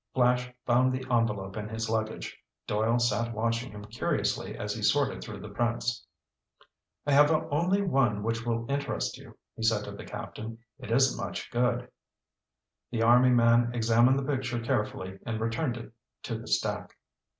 Flash found the envelope in his luggage. Doyle sat watching him curiously as he sorted through the prints. "I have only one which will interest you," he said to the captain. "It isn't much good." The army man examined the picture carefully and returned it to the stack.